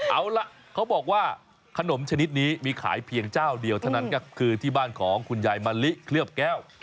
เอาล่ะเขาบอกว่าขนมชนิดนี้มีขายเพียงเจ้าเดียวเท่านั้นก็คือที่บ้านของคุณยายมะลิเคลือบแก้ว